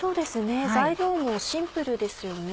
材料もシンプルですよね。